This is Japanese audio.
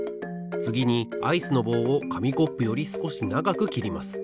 つぎにアイスの棒をかみコップよりすこしながくきります。